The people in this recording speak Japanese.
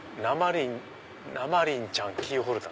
「なまりんちゃんキーホルダー」。